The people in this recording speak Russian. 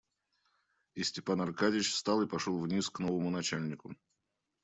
И Степан Аркадьич встал и пошел вниз к новому начальнику.